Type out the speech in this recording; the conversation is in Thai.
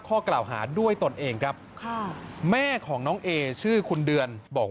ข้อกล่าวหาด้วยตนเองครับค่ะแม่ของน้องเอชื่อคุณเดือนบอก